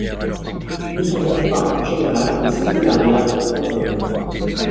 Ce ne sont donc pas, en général, des singularia tantum.